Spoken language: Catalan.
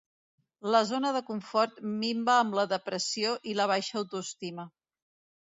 La zona de confort minva amb la depressió i la baixa autoestima.